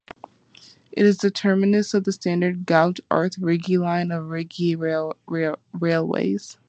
It is the terminus of the standard gauge Arth–Rigi line of Rigi Railways.